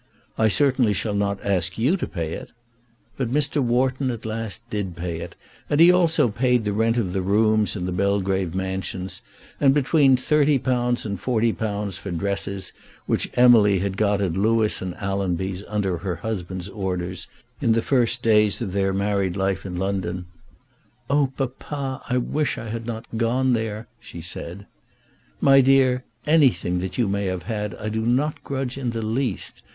"I certainly shall not ask you to pay it." But Mr. Wharton at last did pay it, and he also paid the rent of the rooms in the Belgrave Mansions, and between £30 and £40 for dresses which Emily had got at Lewes and Allenby's under her husband's orders in the first days of their married life in London. "Oh, papa, I wish I had not gone there," she said. "My dear, anything that you may have had I do not grudge in the least.